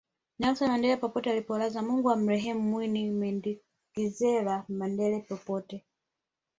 Nelson Mandela popote alipolazwa Mungu amrehemu Winnie Medikizela Mandela popote